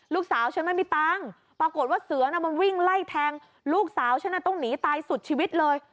ฉันไม่มีตังค์ปรากฏว่าเสือน่ะมันวิ่งไล่แทงลูกสาวฉันน่ะต้องหนีตายสุดชีวิตเลย